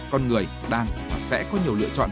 con người đang hoặc sẽ có nhiều lựa chọn